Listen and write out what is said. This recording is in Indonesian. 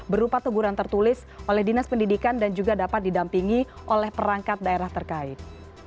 berupa teguran tertulis oleh dinas pendidikan dan juga dapat didampingi oleh perangkat daerah terkait